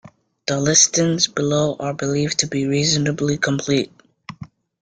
The listings below are believed to be reasonably complete.